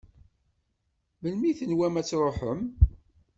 Melmi i tenwam ad tṛuḥem?